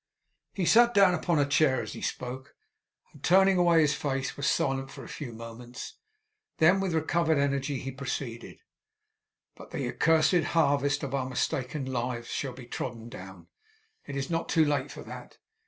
He sat down upon a chair as he spoke, and turning away his face, was silent for a few moments. Then with recovered energy he proceeded: 'But the accursed harvest of our mistaken lives shall be trodden down. It is not too late for that.